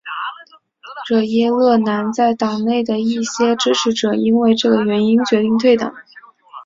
惹耶勒南在党内的一些支持者因为这个原因决定退党。